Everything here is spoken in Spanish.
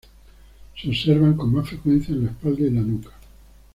Se observan con más frecuencia en la espalda y la nuca.